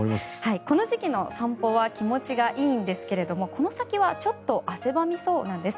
この時期の散歩は気持ちがいいんですけれどこの先はちょっと汗ばみそうなんです。